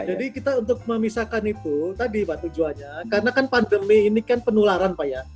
jadi kita untuk memisahkan itu tadi pak tujuannya karena kan pandemi ini kan penularan pak ya